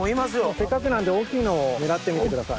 せっかくなんで大きいのを狙ってみてください。